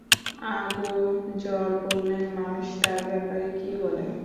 Abu Dharr বললেন, মানুষ তার ব্যাপারে কি বলে?